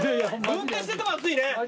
軍手してても熱いね。